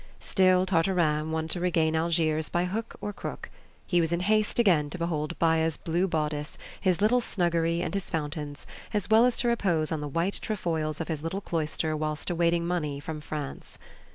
Still Tartarin wanted to regain Algiers by hook or crook. He was in haste again to behold Baya's blue bodice, his little snuggery and his fountains, as well as to repose on the white trefoils of his little cloister whilst awaiting money from France.